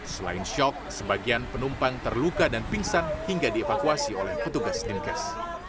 selain syok sebagian penumpang terluka dan pingsan hingga dievakuasi oleh petugas dinkes